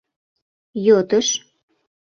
йотыш